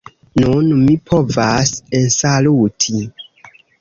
Nun mi povas ensaluti